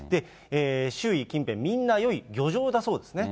周囲近辺、みんなよい漁場だそうですね。